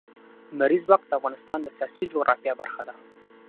لمریز ځواک د افغانستان د سیاسي جغرافیه برخه ده.